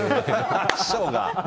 師匠が？